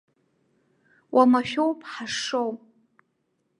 Уамашәоуп ҳашшоу.